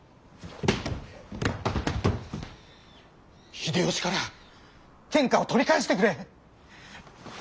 秀吉から天下を取り返してくれ！